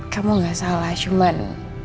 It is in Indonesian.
kamu gak salah cuman